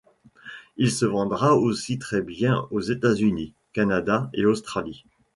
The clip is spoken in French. Il se vendra aussi très bien aux États-Unis, Canada et Australie.